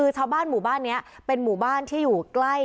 ชาวบ้านหมู่บ้านนี้เป็นหมู่บ้านที่อยู่ใกล้